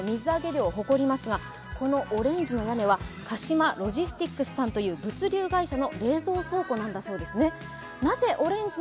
銚子港といいますと、日本屈指の水揚げ量を誇りますが、このオレンジの屋根は鹿島ロジスティックスさんという物流会社の冷蔵倉庫なんだそうですね。